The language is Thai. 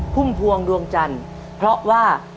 ภูมิภวงดวงจันทร์เพราะว่า